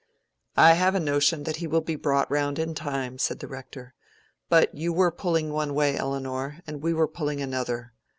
"I have a notion that he will be brought round in time," said the Rector. "But you were pulling one way, Elinor, and we were pulling another.